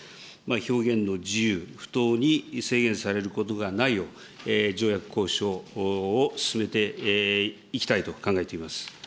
表現の自由、不当に制限されることがないよう、条約交渉を進めていきたいと考えています。